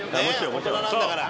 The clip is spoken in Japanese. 大人なんだから。